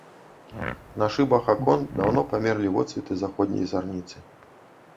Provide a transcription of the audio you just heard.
На шыбах акон даўно памерлі водсветы заходняй зарніцы.